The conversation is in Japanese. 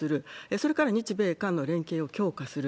それから日米間の連携を強化する。